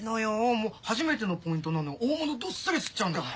もう初めてのポイントなのに大物どっさり釣っちゃうんだから。